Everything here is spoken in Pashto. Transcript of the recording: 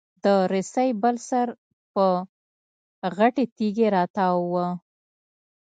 د رسۍ بل سر په غټې تېږي راتاو و.